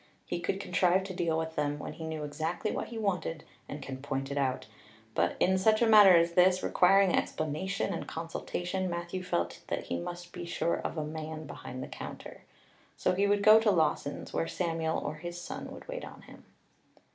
He could contrive to deal with them when he knew exactly what he wanted and could point it out; but in such a matter as this, requiring explanation and consultation, Matthew felt that he must be sure of a man behind the counter. So he would go to Lawson's, where Samuel or his son would wait on him.